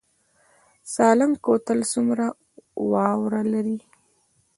سالنګ کوتل څومره واوره لري؟